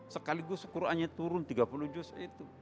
sekaligus qurannya turun tiga puluh juz itu